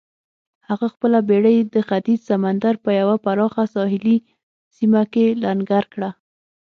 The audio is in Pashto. هغه خپله بېړۍ د ختیځ سمندر په یوه پراخه ساحلي سیمه کې لنګر کړه.